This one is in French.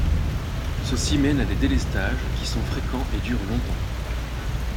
Ceci mène à des délestages qui sont fréquents et durent longtemps.